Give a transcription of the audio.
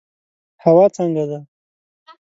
هوا څنګه ده؟